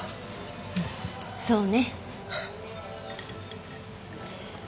うんそうね。